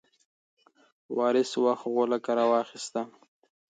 وارث څه وخت غولکه راواخیسته؟